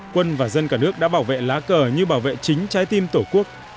quân và dân cả nước đã bảo vệ lá cờ như bảo vệ chính trái tim tổ quốc